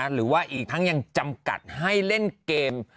หรือว่าอีกทั้งยังจำกัดให้เล่นเกม